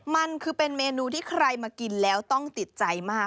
มันคือเป็นเมนูที่ใครมากินแล้วต้องติดใจมาก